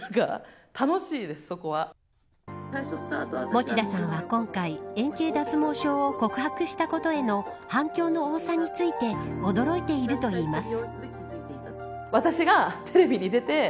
餅田さんは今回円形脱毛症を告白したことへの反響の多さについて驚いているといいます。